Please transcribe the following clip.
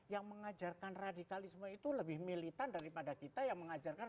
yang mengajarkan radikalisme itu lebih militan daripada kita yang mengajarkan